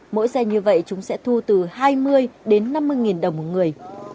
mỗi xe như vậy chúng sẽ thu từ hai mươi đến năm mươi nghìn đồng một người